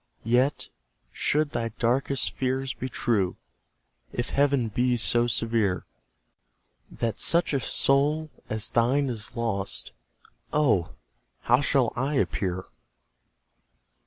Yet, should thy darkest fears be true, If Heaven be so severe, That such a soul as thine is lost, Oh! how shall I appear?